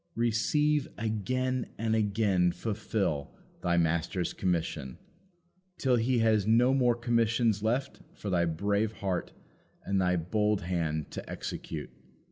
Receive again, and again fulfil, thy Master's commission, till He has no more commissions left for thy brave heart and thy bold hand to execute.